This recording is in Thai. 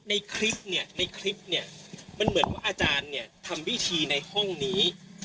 ในคลิปนี่มันเหมือนว่าอาจารย์ทำวิธีในห้องนี้